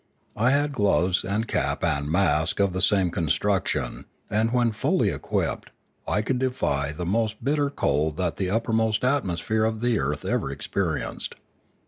I had gloves and cap and mask of the same construction and, when fully equipped, I could defy the most bitter cold that the upper atmosphere of the earth ever experienced.